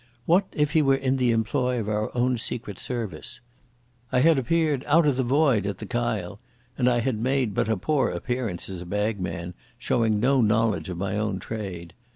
What if he were in the employ of our own Secret Service? I had appeared out of the void at the Kyle, and I had made but a poor appearance as a bagman, showing no knowledge of my own trade.